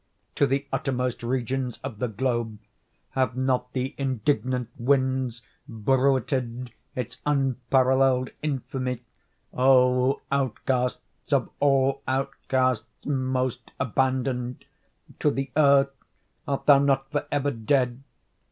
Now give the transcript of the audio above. To the uttermost regions of the globe have not the indignant winds bruited its unparalleled infamy? Oh, outcast of all outcasts most abandoned!—to the earth art thou not forever dead?